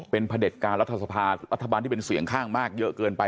เป็นพระเด็จการรัฐสภารัฐบาลที่เป็นเสียงข้างมากเยอะเกินไป